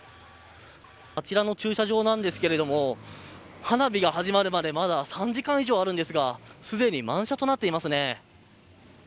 あちらの駐車場なんですけれども花火が始まるまでまだ３時間以上あるんですがすでに満車となっていますね。